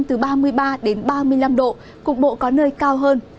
từ ba mươi ba đến ba mươi năm độ cục bộ có nơi cao hơn